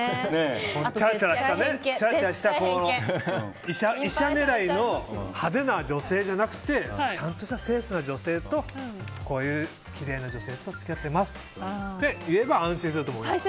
チャラチャラした医者狙いの派手な女性じゃなくてちゃんとした清楚な女性ときれいな女性と付き合ってますって言えば安心すると思います。